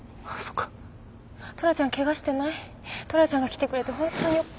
トラちゃんが来てくれて本当によかっ。